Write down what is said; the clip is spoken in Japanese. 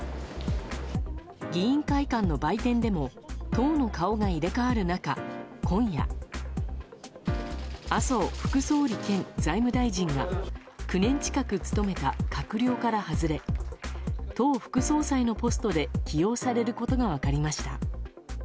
議員会館の売店でも党の顔が入れ替わる中、今夜麻生副総理兼財務大臣が９年近く務めた閣僚から外れ党副総裁のポストで起用されることが分かりました。